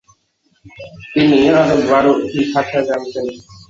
তিনি আরো বারোটি ভাষা জানতেন।